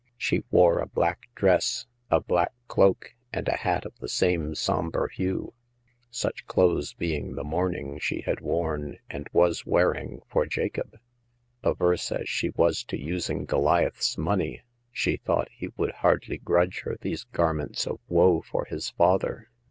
She wore a black dress, a black cloak, and a hat of the same somber hue— such clothes being the mourning she had worn, and was wearing, for Jacob. Averse as she was to using Goliath's money, she thought he would hardly grudge her these gar ments of wo for his father.